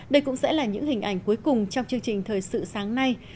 đây cũng sẽ là những hình ảnh cuối cùng trong chương trình thời sự sáng nay